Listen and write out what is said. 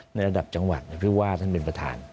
ในระดับจังหวัดหรือว่าท่านเป็นประธาน